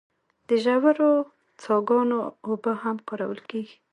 د ژورو څاګانو اوبه هم کارول کیږي.